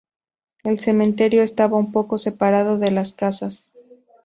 El cementerio, estaba un poco separado de las casas.